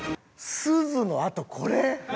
すずのあとこれ？